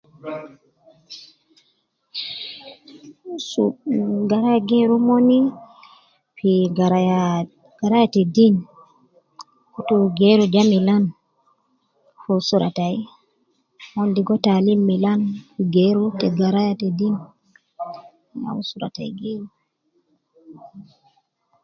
So garaya geeru omon, fi garaya ,garaya te deen, kutu geeru ja milan, fi usra tai, mon ligo taalim milan, fi geeru te garaya te deen, ya usra tai geeru